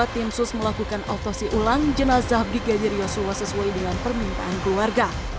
tim sus melakukan autopsi ulang jenazah brigadir yoso hota sesuai dengan permintaan keluarga